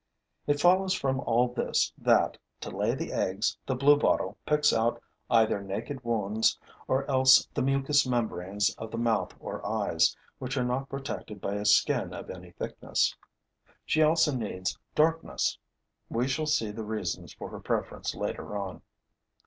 It follows from all this that, to lay the eggs, the Bluebottle picks out either naked wounds or else the mucous membranes of the mouth or eyes, which are not protected by a skin of any thickness. She also needs darkness. We shall see the reasons for her preference later on.